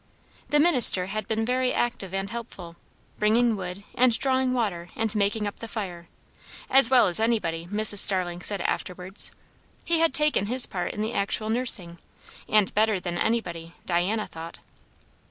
The minister had been very active and helpful; bringing wood and drawing water and making up the fire, as well as anybody, Mrs. Starling said afterwards; he had taken his part in the actual nursing, and better than anybody, Diana thought.